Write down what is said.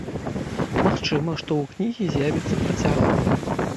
Магчыма, што ў кнігі з'явіцца працяг.